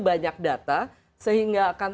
banyak data sehingga akan